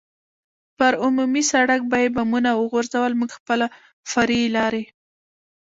پر عمومي سړک به یې بمونه وغورځول، موږ خپله فرعي لارې.